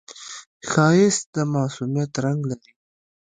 ښایست د معصومیت رنگ لري